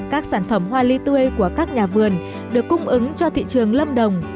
các sản phẩm hoa ly tươi của các nhà vườn được cung ứng cho thị trường lâm đồng